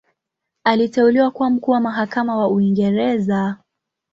Aliteuliwa kuwa Mkuu wa Mahakama wa Uingereza.